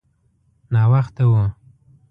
ناوخته و.